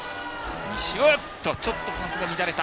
ちょっとパスが乱れた。